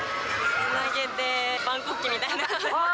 つなげて、万国旗みたいな。